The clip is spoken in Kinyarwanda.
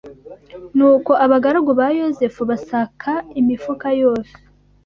Nuko abagaragu ba Yozefu basaka imifuka yose